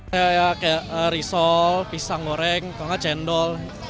kayak risol pisang goreng kalau enggak cendol